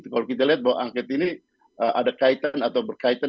kalau kita lihat bahwa angket ini ada kaitan atau berkaitan